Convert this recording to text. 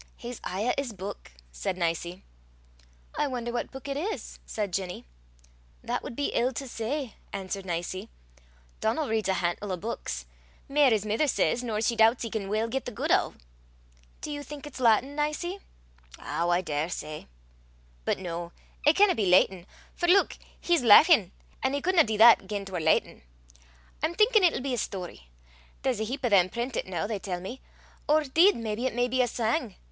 "He's aye at 's buik!" said Nicie. "I wonder what book it is," said Ginny. "That wad be ill to say," answered Nicie. "Donal reads a hantle o' buiks mair, his mither says, nor she doobts he can weel get the guid o'." "Do you think it's Latin, Nicie?" "Ow! I daursay. But no; it canna be Laitin for, leuk! he's lauchin', an' he cudna dee that gien 'twar Laitin. I'm thinkin' it'll be a story: there's a heap o' them prentit noo, they tell me. Or 'deed maybe it may be a sang.